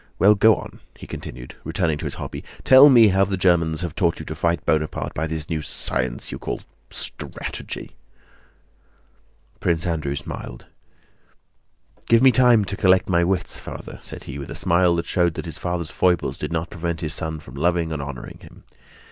Well, go on," he continued, returning to his hobby; "tell me how the Germans have taught you to fight Bonaparte by this new science you call 'strategy.'" Prince Andrew smiled. "Give me time to collect my wits, Father," said he, with a smile that showed that his father's foibles did not prevent his son from loving and honoring him.